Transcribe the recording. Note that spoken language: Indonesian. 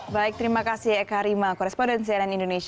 baik terima kasih eka harimah korespondensial yang indonesia